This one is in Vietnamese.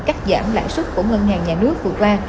cắt giảm lãi suất của ngân hàng nhà nước vừa qua